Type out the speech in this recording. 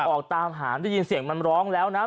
ออกตามหาได้ยินเสียงมันร้องแล้วนะ